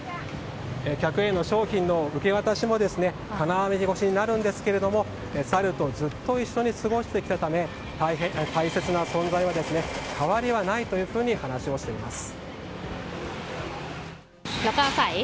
客への商品の受け渡しも金網越しになるんですけどサルとずっと一緒に過ごしてきたため大切な存在に変わりはないと話はしています。